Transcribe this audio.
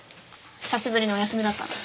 久しぶりのお休みだったので。